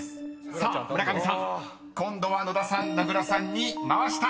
［さあ村上さん今度は野田さん名倉さんに回したい］